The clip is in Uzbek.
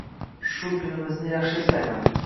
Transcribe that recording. Shu kunimizni yaxshi eslayman.